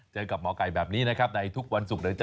เจอกับหมอไก่แบบนี้นะครับในทุกวันศุกร์